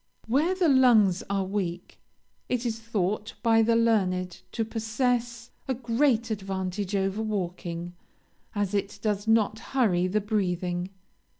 Where the lungs are weak, it is thought by the learned to possess a great advantage over walking, as it does not hurry the breathing.